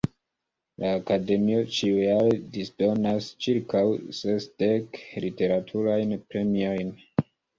La Akademio ĉiujare disdonas ĉirkaŭ sesdek literaturajn premiojn.